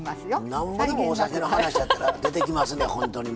なんぼでもお酒の話やったら出てきますね。